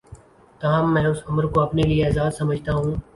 تاہم میں اس امر کو اپنے لیے اعزا ز سمجھتا ہوں